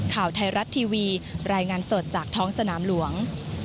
ข่าวไทยรัฐทีวีรายงานสดจากท้องสนามหลวง